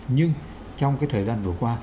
nhưng trong cái thời gian vừa qua